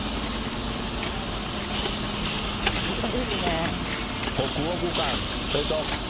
立派ですね。